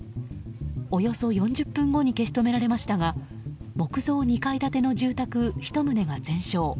およそ４０分後に消し止められましたが木造２階建ての住宅１棟が全焼。